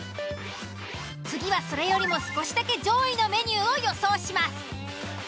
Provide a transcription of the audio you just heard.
次はそれよりも少しだけ上位のメニューを予想します。